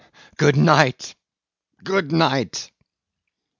Good night—good night!